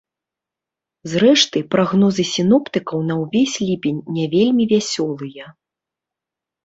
Зрэшты, прагнозы сіноптыкаў на ўвесь ліпень не вельмі вясёлыя.